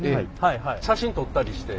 写真撮ったりして。